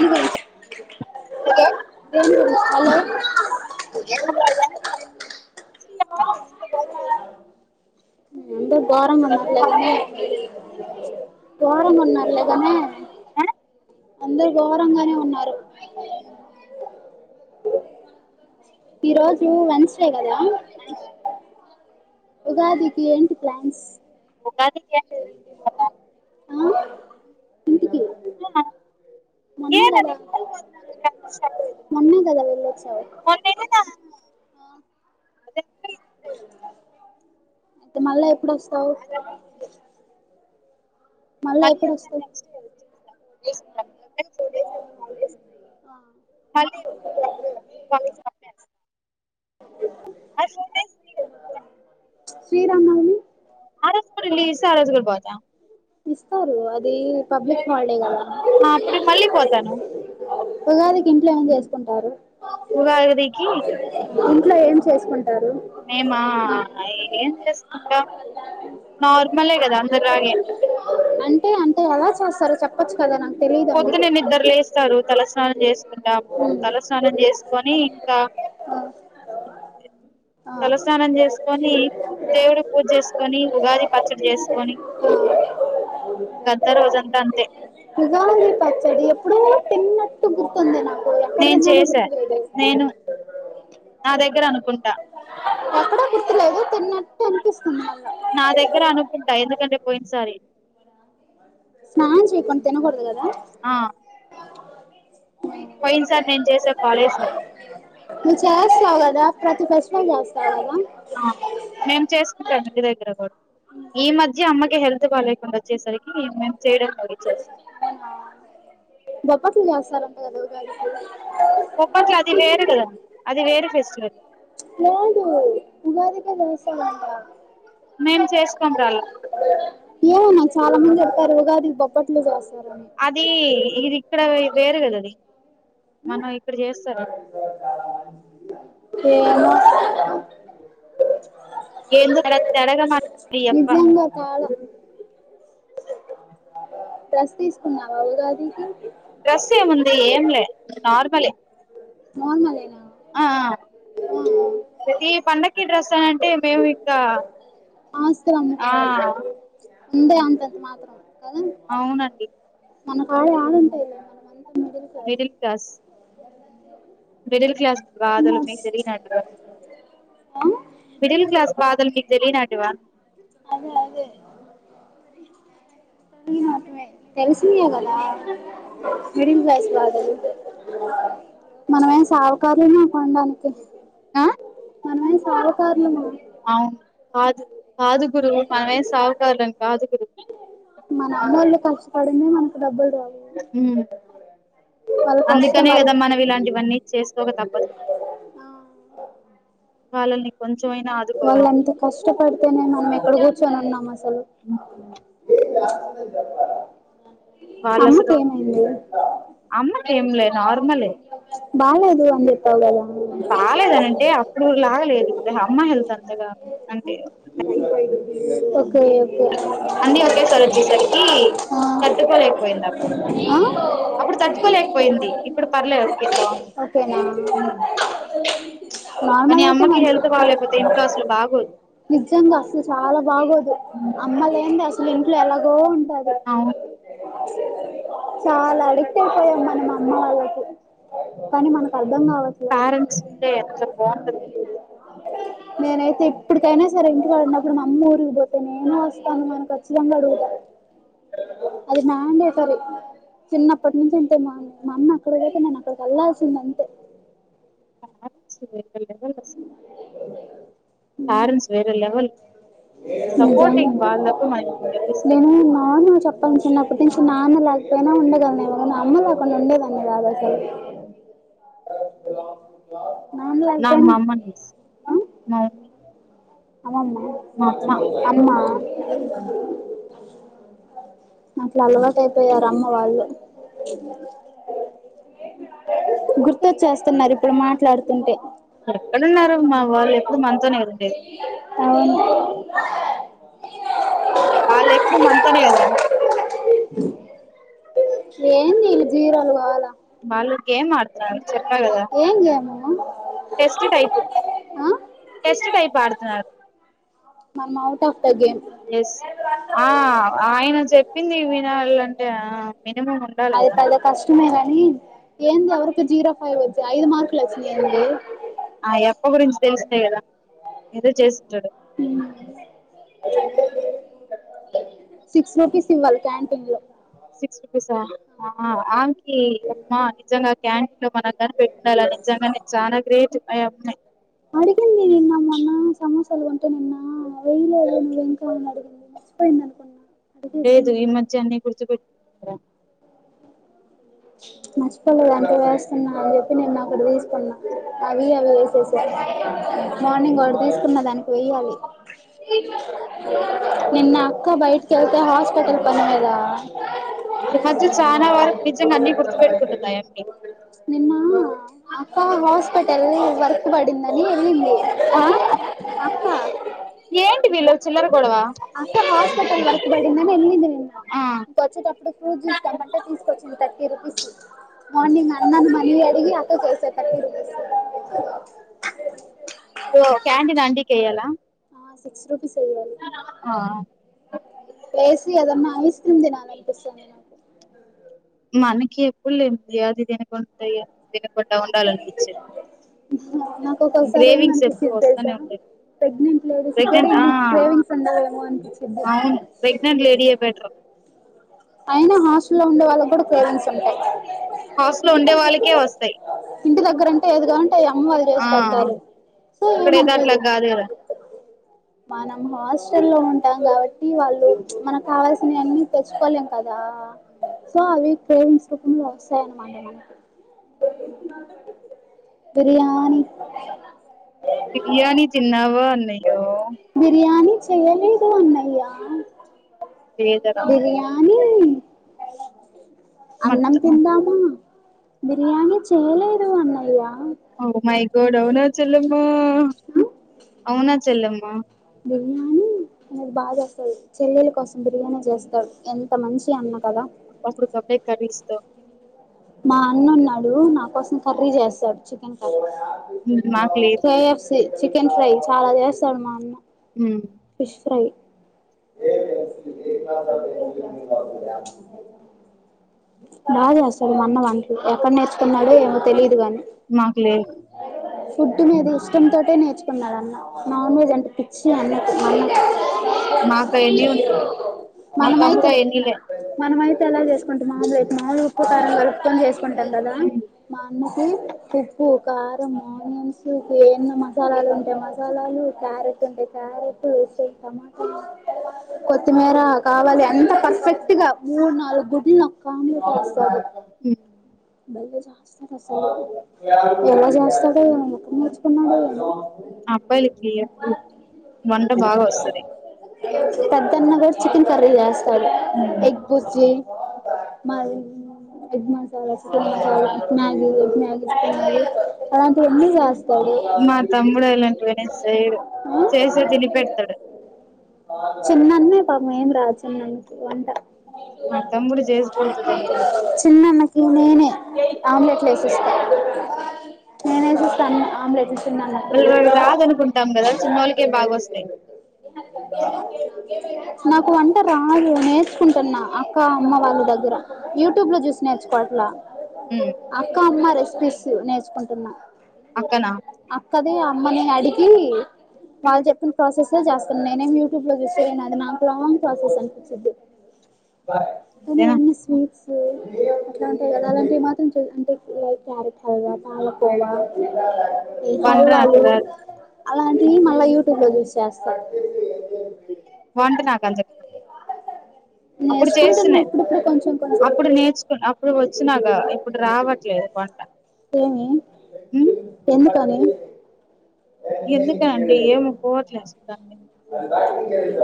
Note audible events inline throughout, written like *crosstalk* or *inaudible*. Hello *unintelligible* hello ఎంత కోరంగ మరిలా మన్నలగానే అందరు ఘోరంగానే ఉన్నారు ఈ రోజు వన్స్డే కదా ఉగాదికి ఏంటి ప్లాన్స్ ఉగాదికి ఏం ఆ ఇంటికి మొన్న గదా ఏదండి మొన్న గదా వెళ్ళ వచ్చ మొన్నైతే నా అయితే మళ్ళా ఎప్పుడుొస్తావు మళ్ళా మళ్ళీ ఎప్పడొస్తుంది ఎప్పుడైనా నెక్స్ట్ ఇయర్ మళ్ళీ ఆ కాలేజ్ కంప్లీట్ ఆ ఫోర్ డేస్ శ్రీరామవమి పలీ సారాసుగల్ బాతా ఇస్తారు అది పబ్లిక్ హాలిడే కద ఆ అప్పుడు నేను మళ్ళీ పోతాను ఉగాదికి ఇంట్లో ఏమనా చేసుకుంటారు ఉగాదికి ఇంట్లో ఏం చేసుకుంట మేము ఏం చేస్తా కా నార్మలే కదా అందరి లాగే అంటే అంటే ఎలా చేస్తారు చెప్పచ్చు కదా నాకు తెలియదు అందుకే పొద్దునేన్న ఇద్దరులే వస్తారు తలస్నానం చేసుకుంటా తలస్నానం చేసుకొని ఇంకా ఆ తలస్నానం చేసుకొని దేవుడి పూజ చేసుకొని ఉగాది పచ్చడి చేసుకొని గద్ద రోజంతా అంతే ఉగాది పచ్చడి ఎప్పుడో తిన్నట్టు గుర్తుంది నాకు ఎక్కడ నేను తిన్నానో చేసా గుర్తులేదు నేను నా దగ్గర అనుకుంటా ఎక్కడో గుర్తులేదు తిన్నట్టు అనిపిస్తుంది మళ్ళా నా దగ్గర అనుకుంటా ఎందుకంటే పోయిన సర స్నానం చేకడా తినకూడదు కదా అ పోయిన్ సార్ నేను చేసా కాలేజ్ లో చార్ నేను చేసుకుంటాను దగ్గర కూడా ఈ మధ్య అమ్మకి హెల్త్ బాగాలేకుండా వచ్చేసరికి ఇ మ చేయడం మత్ర సార్ ఉంటదా ఉగాదికి బొబ్బట్లు అది వేరు కదా అది వేరు ఫెస్టివల్ నడు ఉగాదిిక సార్ ఉంట నేను చేసుకుంటాల ఏమనా చాలా మంది చెడతారు గాది బ పట్లుస్త అది ఇది ఇక్కడ వేరు కద అది మనం ఇక్కడ చేస్తార ఏను ఏందో తెడ తెడగా మాట్లాడి యప్ప నిజంగా కాళ డ్రెస్ తీసుకున్నావా ఉగాదికి డ్రెస్ ఏముంది ఏం లే నార్మలే నార్మల్నా ఆ పండక డ్రస్ ఆస్తులు ఆ అమ్ముకోవాలి ఉండే అంతంత మాత్రం కదా అవునండి మనకు ఆడ ఆడంటాయి మనంత మిడిల్ క్లాస్ మిడిల్ క్లాస్ రాదలుమే తెరి న ఆ మిడిల్ క్లాస్ బదలి మీకి తెలీ నాటువా మా తెలుసిన అగదా విరింద వయస్బ మనమేం సావకదుమ కొనడానికి ఆ మనమే అవును కాదు కాదు గురు పనవే సాగుగారుడన్ కాదు గురు మన అమ్మోళ్ళు కష్టపడిందే మనకు డబ్బులు రావు వాళ్ళ కష్టం అందుకనే వాళ్ళ కదా మనం ఇలాంటివన్నీ చేసుకోక తప్పదు వాళ్ళని కొంచెమైనా వాళ్ళు ఆదుకోవాలి అంత కష్టపడితేనే మనం ఎక్కడ కూర్చొని ఉన్నాం అసలు వాళ్ళు అమ్మకు అసలు ఏమైంది అమ్మకి ఏంలే నార్మలే బాలేదు అని చెప్పావు గదా నువ్వు అమ్మా హెల్త్ అంతగా అంటే ఓకే ఓకే అన్నీ ఒకేసారి వచ్చేసరికి ఆ తట్టుకోలేకపోయింది అప్పుడు ఆ అప్పుడు తట్టుకోలేకపోయింది ఇప్పుడు పర్లేదు ఓకే బాగుంది ఓకేనా కానీ నార్మల్ నీ అయితే అమ్మకి మంచి హెల్త్ బాలేదు నిజంగా అసలు చాలా బాగొదు అమ్మా అసలు ఇంట్లో ఎలాగో ఉంటది అవును అే చాలా అడిక్ట్ అయిపోయాం మనం అమ్మ వాళ్ళకి కానీ మనకు అర్ధం కావట్లేదు పేరెంట్స్ ఉంటే ఎంత బాగుంటది నేనైతే ఇప్పటికైనా సరే ఇంటికాడ ఉన్నప్పుడు మా అమ్మ ఊరికిపోతే నేను వస్తాను మ అని ఖచ్చితంగా అడుగుతా అది నాం *unintelligible* డే సరే చిన్నప్పటి నుంచి అంతే మా మా అమ్మ అక్కడ పోతే నేను అక్కడికి వెళ్లాల్సిందే అంతే సవే క *inaudible* లెవెల్ నిజంగా సపోర్టింగ్ వాళ్ళు తప్ప మనకి నేను ఎవరిస్తారు నాన్న చెప్పల్సి చిన్నప్పటి నుంచి నాన్న లేకపోయినా ఉండగలను మా అమ్మ లేకుండా ఉండేదాన్ని కాదు అసలు నన్లాతేను *unintelligible* *inaudible* ఏమ్మా మా అమ్మ అమ్మా అట్లా అలవాటు అయిపోయారు అమ్మ వాళ్ళు గుర్తొచ్చేస్తున్నారు ఇప్పుడు మాట్లాడుతుంటే ఎక్కడున్నారు మా వాళ్ళు ఎప్పుడు మనతోనే కదా ఉండేది అవును వాళ్ళు ఎప్పుడు మనతోనే కదా *inaudible* ఏంది ఇల జీరాలు కావాలా బాలు గేమ్ ఆడుతున్నారు చెప్పా కదా ఏం గేము టెస్ట్ టైప్ ఆ టెస్ట్ టైప్ ఆడుతున్నారు మనం out of the game yes ఆ ఆయన చెప్పింది వినాలి అంటే ఆ మినిమం ఉండాలి అది కదా పెద్ద కష్టమే కానీ ఏంది ఎవరికొ జీరో ఫోర్ వచ్చయ్ ఐదు మార్క్ లు వచ్చినయ్ ఎంది లేదా ఏదో చేసింటాడు సిక్స్ రూపీస్ ఇవ్వాల్ల క్యాంటీన్ లో సిక్స్ రూపీసా అ *unintelligible* మ్మా నిజంగా క్యాన్ గ్రేట్ అయమ్మాయి అడిగింది నిన్న మ్మొన్న సమోసాలు కొంటే నిన్న వెయ్యలేళ నువ్ ఇంకా అని అడిగింది పోయింది అనుకున్నా లేదు అడిగేసింది ఈ మధ్య అన్ని గుర్తుపెట్టు నష్టపో ద వస్ నిన్న అని చెప్పి నిన్న అక్కడ తీసుకున్న అవి అవి వస స మార్నింగ్ ఒక్కటి తీస్ న్న దానికి వెయ్యాలి *inaudible* నిన్న అక్క బయటకి వెళ్తే హాస్పిటల్ పనిలేదా ఈ మధ్య చానా వరకు నిజంగా అన్ని గుర్తు పెట్టుకుంటున్నాయా ఆయా నిన్న ఆ అక్క హాస్పిటల్ వర్క్ పడిందని వెళ్ళింది. ఆ అక్క ఏంటి వీళ్ళు చిల్లర గొడవ అక్క హాస్పిటల్ వర్క్ బడిందని వెళ్ళింది నిన్న ఆ వచ్చేటప్పటికి చూచి ఇద్దామంటే తీసుకొచ్చింది థర్టీ రుపీస్ మార్నింగ్ నన్న మళ్లీ అడిగి అక్క చేసే తప్ప రో క్యాంటిన్ ఆంటీ కి ఎయ్యాల సిక్స్ రూపీస్ ఎయ్యాలి ఆ లేచి ఏదైనా ఐస్ క్రీమ్ తినాలా అనిపిస్తుంది నాకు అనకి ఎప్పుుల్ యాది దినకుంతయ నాకు ఒకోసారి ఏమ గ్రేవింగ్స్ ఎప్పుడు అనిపిస్తుంది తెలుసా వస్తూనే ఉంటాయి ప్రెగ్నెంట్ లేడీస్ కూడా ప్రెగ్నెంట్ ఆ ఇన్ని గ్రేవింగ్స్ ఉండాలేమో అనిపించింది అవును ప్రెగ్నెంట్ లేడీయే బెటర్ అయినా హాస్టల్ల్లో ఉండే వాళ్ళకు కూడా క్రేవింగ్స్ ఉంటాయి హాస్ లో ఉండే వాళ్ళకే వస్తాయి ఇంటి దగ్గరంటే ఎది కా ఉంటే అవి అమ్మ వాళ్ళు ఆ చేసి పెడతారు సో ఇక్కడైతే అట్లా ఏమనిపదు కాదు కదా మనం హాస్ట లో ఉంటాం కాబట్టి వాళ్ళు మనకు కావాల్సినవివన్ని తెచ్చుకోలేం కదా సో అవి ప్రేమించ రపంలో వస్తాయన్నమాట మనకి బిర్యానీ బిర్యానీ తిన్నావా అన్నయ్యో బిర్యానీ చెయ్యలేదు అన్నయ్యా లేదరా బిర్యానీ ఎలా మ అన్నం మట్ తిందామా బిర్యానీ చేయలేదు అన్నయ్య ఆ మై గోడ్ అవునా చల్లమ్మా అవునా చల్లమ్మా అది బాగా చేస్తంది చెల్లెల కోసం బిర్యానీ చేస్తారు ఎంత మంచి అన్న కదా అప్పుడు కప్పుడే కర్రిస్ తో మా నా కోసం కర్రీ చేస్తాడు చికెన్ కర్రీ మాకు లేదు కేఎఫ్సి చికెన్ ఫ్రై చాలా చేస్తాడు మా అన్న ఉమ్, ఫిష్ ఫ్రై బాగా చేస్తాడు మన్న వంటలు ఎక్కడ నేర్చుకున్నాడో ఏమో తెలిదు గాని మాకు లేదు ఫుడ్ మీద ఇష్టం తోటే నేర్చు న్నాడన్న నాన్ వెజ్ అంటే పిచ్చి అన్న మాకు అవన్నీ ఉండవు మా మన తమ్ముడు మయితే అయన్నీ లే మ మనంమయితే ఎలా చేసుకుంటాం మామ్లెట్ మామూలు ఉప్పు ట వరపుని చేసుకుంటాం కదా మా అన్నకి ఉప్పు కారం ఆనియన్స్ ఎన్నో మసాలాలు ఉంటాయి మసాలాలు క్యారెట్ ఉంటాయి క్యారెట్ టమాటా కొత్తిమీర కావాలి అంత పర్ఫెక్ట్ గా మూడు నాలుగు గుడ్లు న ఆమ్లెట్ వేస్తారు ఉమ్. స ఎలా జస్తగా ముక్క నర్చుకున్నాడా అబ్బాయిలకి వంట బాగా వస్తది పెద్దన్న కూడా చికెన్ కర్రీ చేస్తాడు ఎగ్ బుజి మాది ఎగ్ మాస్ చ త మ మ్యాగి మ్యాగి ఇష్టమండి అలాంటివన్నీ చేస్తా మా తమ్ముడు ఇలాంటివన్నీ సేయడు ఆ చేస్తే తిని పెడతాడు చిన్నన్నే పాపం ఏం రాదు చిన్నన్నకి వంట మా తమ్ముడు చేసి పెడతాడు చిన్నన్న ఈ నేనే ఆమ్లెట్లు ఏసిస్తాను నేనే ఏసిస్తాను ఆమ్లెట్లు చిన్నన్న కి వాళ్ళు రాదనుకుంటాం కదా చిన్నోళ్ళకే బాగా వస్తాయి నాకు వంట రాదు నేర్చుకుంటున్నా అక్క అమ్మ వాళ్ళ దగ్గర యూట్యూబ్ లో చూసి నేర్చుకోవట్లా ఉమ్ అక్క అమ్మ రెసిపీస్ నేర్చుకుంటున్నా అక్కనా క్కని అమ్మని అడిగి వాళ్లు చెప్పిన ప్రాసెస్ ఎ చేస్తున్న నేనేం యూ యూట్యూబ్ లో చూస్తే అది నాకు లాంగ్ ప్రాసెస్ అనిపించద్ది అంతేనా కానీ స్వీట్స్ అట్లాటివి అలాంటివి మాత్రం చూ అంటే లైక్ క్యారెట్ హల్వా పాలకోవా ఈ వంట నాకు హల్వలు రాదు అలాంటివి మళ్ళా యూట్యూబ్ లో చూస్ చేస్తా వంట నా కమ్జే అప్పుడు నేర్చుకుంటున్నా చేస్తున్నాయి ఇప్పుడిప్పుడు కొంచెం కొంచెం అప్పుడు నేర్చుకున్నా అప్పుడు వచ్చినాక ఇప్పుడు రావట్లేదు పంట ఏమి ఎందుకని ఎందుకనండి ఏమో పోవట్లే అసలు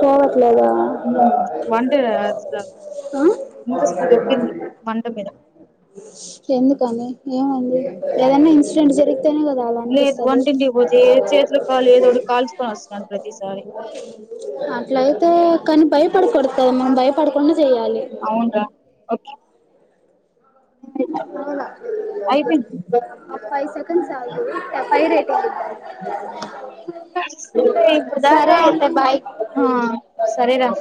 పోవట్లేదా వంట అసలు ఇంట్రెస్ట్ దొబ్బింది వంట మీద ఎందుకని ఏమంది ఏదైనా ఇన్సిడెంట్ జరిగితేనే కదా అలా లేదు అనిపిస్తది వంటింటికి పోతే చేతులు కాలు ఏదోటి కాల్చుకొని వస్తున్నాను ప్రతిసారి అట్లయితే కానీ భయపడకూడదు కదా మనం భయపడకుండా చేయాలి అవునురా ఓకే అవునా అయిపోయింది ఫైవ్ సెకండ్ ఆగి చెయ్ ఫైర్ ఐతాంది బయట ఇప్పుడు సరే దాకా అయితె బై ఆ సరేరా